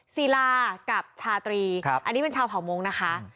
ศิลากับชาตรีอันนี้เป็นชาวเผ่ามงค์นะคะ